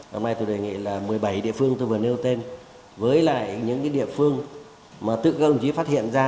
hôm nay tôi đề nghị là một mươi bảy địa phương tôi vừa nêu tên với lại những cái địa phương mà tự công chí phát hiện ra